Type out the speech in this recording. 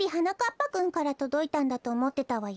ぱくんからとどいたんだとおもってたわよ。